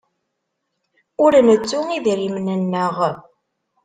Ur nettu idrimen-nneɣ.